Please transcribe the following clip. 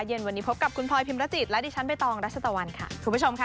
เย็นวันนี้พบกับคุณพลอยพิมรจิตและดิฉันใบตองรัชตะวันค่ะคุณผู้ชมค่ะ